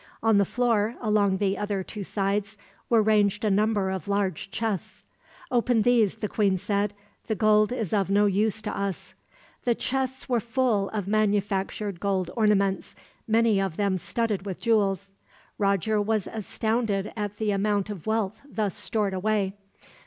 On the floor, along the other two sides, were ranged a number of large chests. "Open these," the queen said. "The gold is of no use to us." The chests were full of manufactured gold ornaments, many of them studded with jewels. Roger was astounded at the amount of wealth thus stored away.